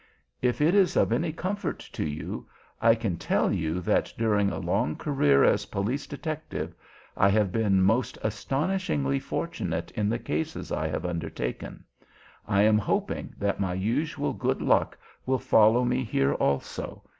If it is of any comfort to you, I can tell you that during a long career as police detective I have been most astonishingly fortunate in the cases I have undertaken. I am hoping that my usual good luck will follow me here also.